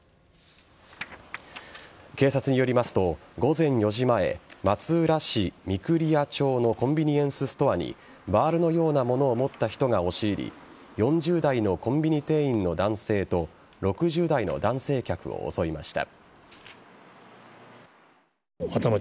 警察によりますと午前４時前、松浦市御厨町のコンビニエンスストアにバールのようなものを持った人が押し入り４０代のコンビニ店員の男性と６０代の男性客を襲いました。